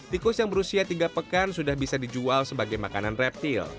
tikus yang berusia tiga pekan sudah bisa dijual sebagai makanan reptil